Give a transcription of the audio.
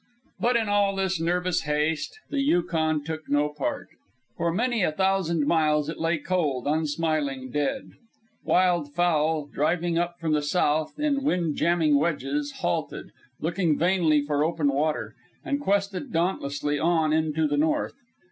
But in all this nervous haste the Yukon took no part. For many a thousand miles it lay cold, unsmiling, dead. Wild fowl, driving up from the south in wind jamming wedges, halted, looked vainly for open water, and quested dauntlessly on into the north.